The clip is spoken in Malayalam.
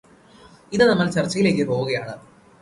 ഇന്ന് നമ്മൾ ചർച്ചിലേക്ക് പോവുകയാണ്